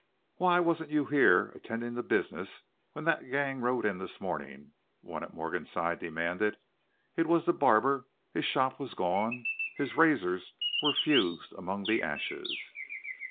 "Why wasn't you here attendin' to business when that gang rode in this morning?" one at Morgan's side demanded. It was the barber; his shop was gone, his razors were fused among the ashes.